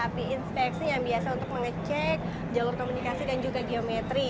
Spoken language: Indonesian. api inspeksi yang biasa untuk mengecek jalur komunikasi dan juga geometri